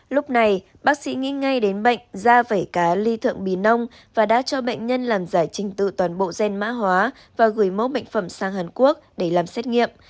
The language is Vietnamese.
lúc này bác sĩ nghĩ ngay đến bệnh da vảy cá ly thượng bì nông và đã cho bệnh nhân làm giải trình tự toàn bộ gen mã hóa và gửi mẫu bệnh phẩm sang hàn quốc để làm xét nghiệm